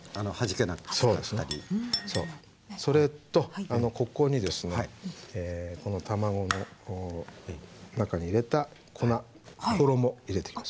それとここにですねこの卵の中に入れた粉衣入れてきます。